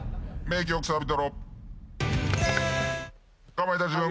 かまいたち軍。